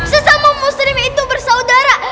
sesama muslim itu bersaudara